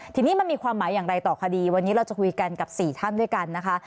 ทีนี้มันมีความหมายอย่างไรต่อคดีวันนี้เราจะคุยกันกับ๔ท่านด้วยกันนะคะ